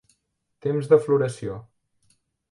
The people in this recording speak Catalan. Temps de floració: